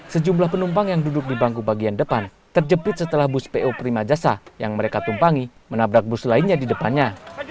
sejumlah penumpang yang duduk di bangku bagian depan terjepit setelah bus po prima jasa yang mereka tumpangi menabrak bus lainnya di depannya